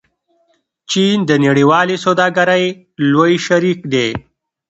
چین د نړیوالې سوداګرۍ لوی شریک دی.